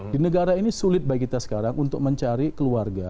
di negara ini sulit bagi kita sekarang untuk mencari keluarga